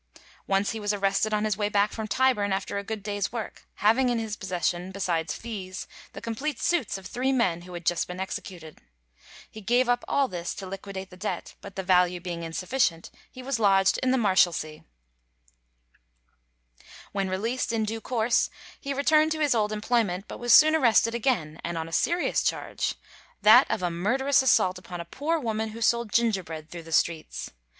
Once he was arrested on his way back from Tyburn after a good day's work, having in his possession, besides fees, the complete suits of three men who had just been executed. He gave up all this to liquidate the debt, but the value being insufficient, he was lodged in the Marshalsea. When released, in due course he returned to his old employment, but was soon arrested again, and on a serious charge—that of a murderous assault upon a poor woman who sold gingerbread through the streets.